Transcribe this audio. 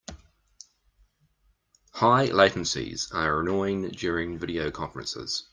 High latencies are annoying during video conferences.